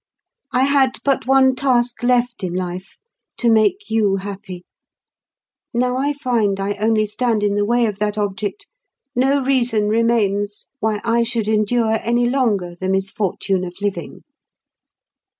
I had but one task left in life—to make you happy. Now I find I only stand in the way of that object, no reason remains why I should endure any longer the misfortune of living.